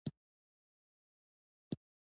ميرويس خان په راوتلو رډو سترګو ورته کتل.